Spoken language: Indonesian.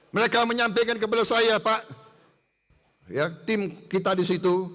mereka menyampaikan kepada saya pak tim kita di situ